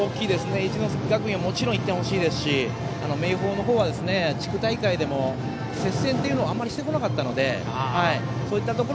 一関学院はもちろん１点欲しいですし明豊の方は地区大会でも接戦というのをあまりしてこなかったので。